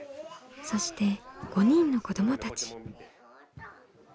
そして５人の子どもたち。